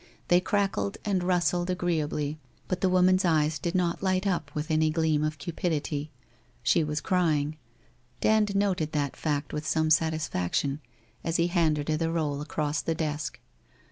They crackled and rustled agreeably but the woman's eyes did not light up with any gleam of cupidity. She was crying. Dand noted that fact with some satisfaction, as he handed her the roll across the desk.